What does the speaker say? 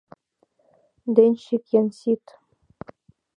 Денщик Янсит!